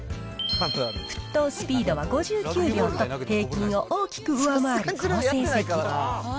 沸騰スピードは５９秒と、平均を大きく上回る好成績。